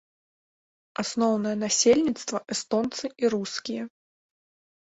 Асноўнае насельніцтва эстонцы і рускія.